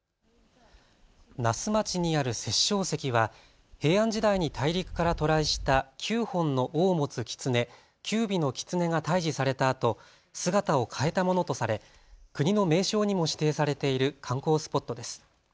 那須町にある殺生石は平安時代に大陸から渡来した９本の尾を持つキツネ、九尾の狐が退治されたあと姿を変えたものとされ国の名勝にも指定されている観光スポットです。